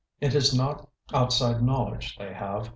It is not outside knowledge they have.